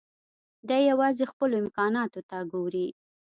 دی يوازې خپلو امکاناتو ته ګوري.